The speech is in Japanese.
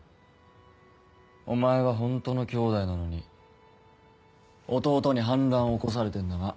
お前はホントの兄弟なのに弟に反乱を起こされてんだな。